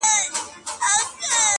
ادب کي دا کيسه ژوندۍ ده,